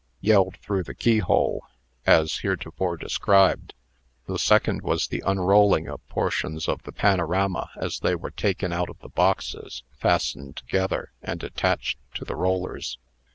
yelled through the keyhole, as heretofore described. The second was the unrolling of portions of the panorama as they were taken out of the boxes, fastened together, and attached to the rollers.